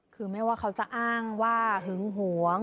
คือไม่ว่าเขาจะอ้างว่าหึงหวง